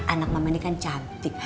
anak mama ini kan cantik